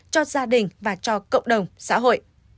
cho gia đình và cho cộng đồng xã hội